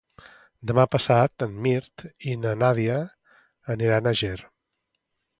Demà passat en Mirt i na Nàdia aniran a Ger.